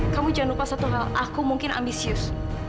kamu jangan lupa satu hal aku mungkin ambisius